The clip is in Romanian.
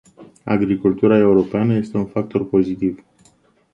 Agricultura europeană este un factor pozitiv.